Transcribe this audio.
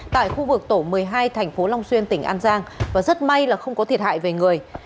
tại khu vực tổ một mươi hai thành phố long xuyên tỉnh an giang và rất may là không có thiệt hại về người